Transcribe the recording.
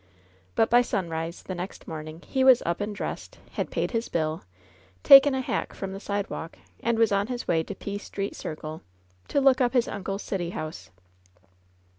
But by sunrise the next morning he was up and dressed, had paid his bill, taken a hack from the side walk, and was on his way to P Street Circle, to look up his uncle's city house.